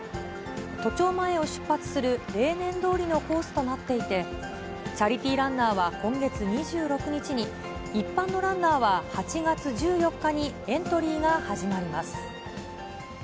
都庁前を出発する例年どおりのコースとなっていて、チャリティーランナーは今月２６日に、一般のランナーは８月１４日にエントリーが始まります。